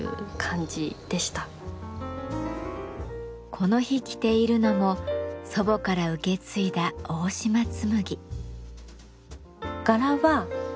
この日着ているのも祖母から受け継いだ大島紬。